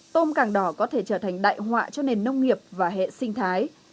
nếu không được đào hỏa cho nền nông nghiệp và hệ sinh thái